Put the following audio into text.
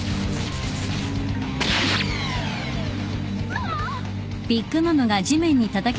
ママ！